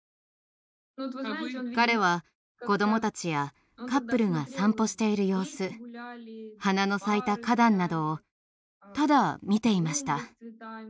彼は子どもたちやカップルが散歩している様子花の咲いた花壇などをただ見ていました。